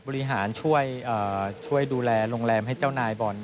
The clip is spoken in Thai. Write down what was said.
บริหารช่วยดูแลโรงแรมให้เจ้านายบอล